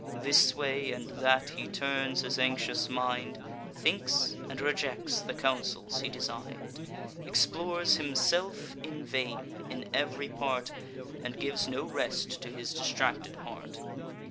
This way and that he turns his anxious mind; Thinks, and rejects the counsels he design'd; Explores himself in vain, in ev'ry part, And gives no rest to his distracted heart.